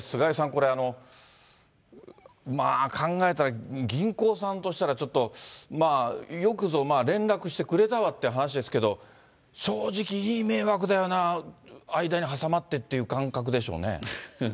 これ、考えたら銀行さんとしたら、ちょっとよくぞまあ、連絡してくれたわっていう話ですけど、正直、いい迷惑だよな、間に挟まってっていう感覚でしょうね。